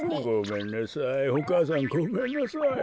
ごめんなさい。